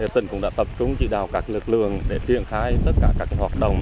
tỉnh cũng đã tập trung chỉ đào các lực lượng để triển khai tất cả các hoạt động